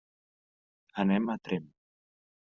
Anem a Tremp.